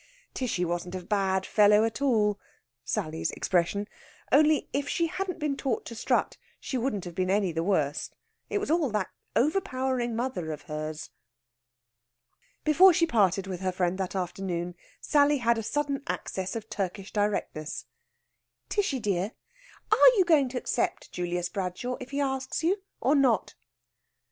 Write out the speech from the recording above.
Tishy wasn't a bad fellow at all (Sally's expression), only, if she hadn't been taught to strut, she wouldn't have been any the worse. It was all that overpowering mother of hers! Before she parted with her friend that afternoon Sally had a sudden access of Turkish directness: "Tishy dear, are you going to accept Julius Bradshaw if he asks you, or not?"